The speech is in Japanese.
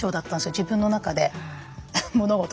自分の中で物事が。